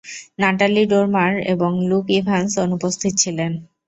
Natalie Dormer এবং Luke Evans অনুপস্থিত ছিলেন।